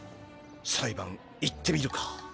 裁判行ってみるか。